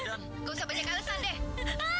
kamu tak bisa banyak alasan deh